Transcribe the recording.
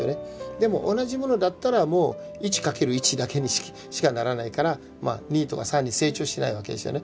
でも同じものだったらもう１×１だけにしかならないからまあ２とか３に成長しないわけですよね。